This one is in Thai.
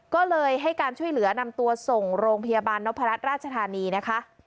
ก็เลยให้การช่วยเหลือนำตัวส่งโรงพยาบาลนพรัชราชธานีนะคะ